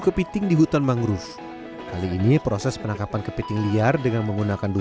ke piting di hutan mangrove kali ini proses penangkapan ke piting liar dengan menggunakan